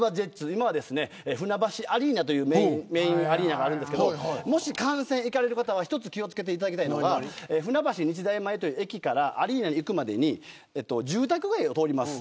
今は船橋アリーナというメーンアリーナがありますが観戦される方は気を付けていただきたいのは船橋日大前という駅からアリーナに行くまでに住宅街を通ります。